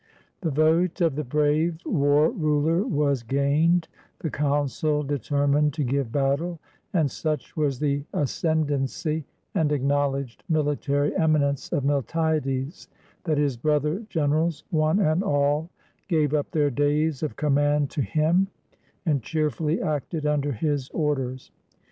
The vote of the brave war ruler was gained, the coun cil determined to give battle; and such was the ascend ancy and acknowledged miUtary eminence of Miltiades, that his brother generals one and all gave up their days of command to him, and cheerfully acted imder his or ders.